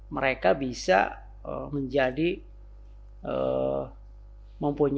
mereka bisa menjadi aparatur yang profesional